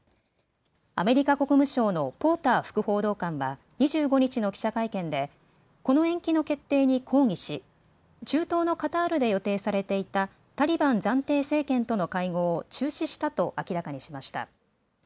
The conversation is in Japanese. アメリカ国務省のポーター副報道官は２５日の記者会見でこの延期の決定に抗議し中東のカタールで予定されていたタリバン暫定政権との会合を中止したと明らかにしました。